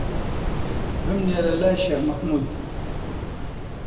بمنێرە لای شێخ مەحموود